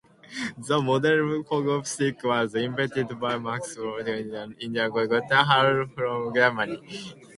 The modern pogo stick was invented by Max Pohlig and Ernst Gottschall, from Germany.